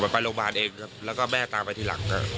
เอาผมไปโรงพยาบาลเองครับแล้วก็แม่ตามไปที่หลังนะครับ